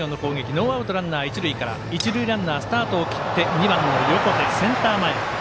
ノーアウト、ランナー、一塁から一塁ランナー、スタートを切って２番の横手、センター前。